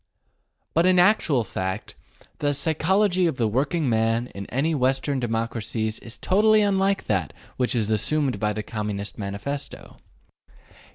But in actual fact the psychology of the working man in any of the Western democracies is totally unlike that which is assumed in the Communist Manifesto.